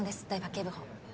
警部補。